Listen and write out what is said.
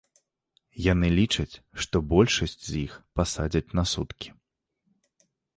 Яны лічаць, што большасць з іх пасадзяць на суткі.